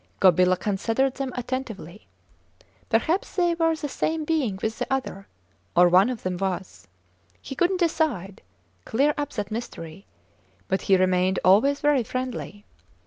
Gobila considered them attentively. Perhaps they were the same being with the other or one of them was. He couldnt decide clear up that mystery; but he remained always very friendly.